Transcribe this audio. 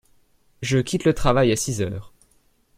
Je quitte le travail à six heures.